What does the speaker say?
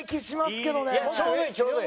ちょうどいいちょうどいい。